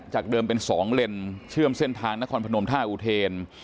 เดิมเป็น๒เลนเชื่อมเส้นทางนครพนมท่าอุเทน